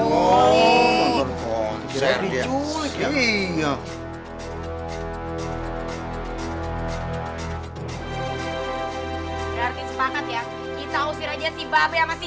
bu businta gak ditangkep sama si